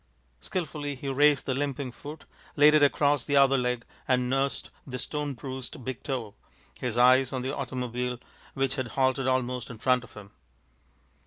Skilfully he raised the limping foot, laid it across the other leg, and nursed the stone bruised big toe, his eyes on the automobile, which had halted almost in front of him.